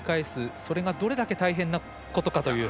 それがどれだけ大変なことかという。